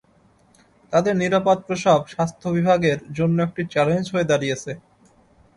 তাঁদের নিরাপদ প্রসব স্বাস্থ্য বিভাগের জন্য একটি চ্যালেঞ্জ হয়ে দাঁড়িয়েছে।